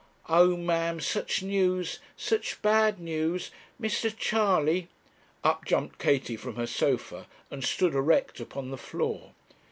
'Oh, ma'am, such news such bad news Mister Charley .' Up jumped Katie from her sofa and stood erect upon the floor.